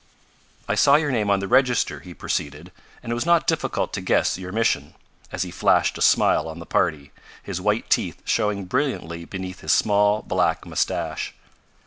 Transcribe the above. "I saw your name on the register," he proceeded, "and it was not difficult to guess your mission," and he flashed a smile on the party, his white teeth showing brilliantly beneath his small, black moustache.